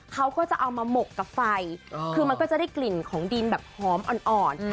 เขาก็จะเอามาหมกกับไฟคือมันก็จะได้กลิ่นของดินแบบหอมอ่อน